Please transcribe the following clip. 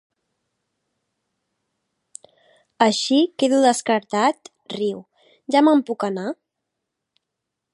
Així, quedo descartat? —riu— Ja me'n puc anar?